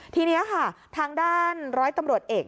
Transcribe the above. ทีนี้ค่ะทางด้านร้อยตำรวจเอก